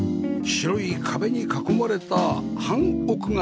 白い壁に囲まれた半屋外です